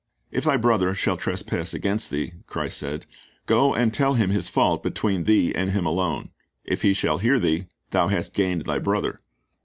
"^ "If thy brother shall trespass against thee," Christ said, "go and tell him his fault between thee and him alone: if he shall hear thee, thou hast gained thy brother.